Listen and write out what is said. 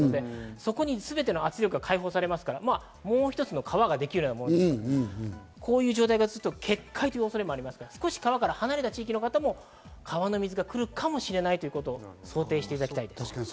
そこに水の圧力が開放されますから、もう一つの川ができるようなもの、こういう状態が続くと決壊という恐れもありますから、離れた地域の方も川の水が来るかもしれないということを想定していただきたいです。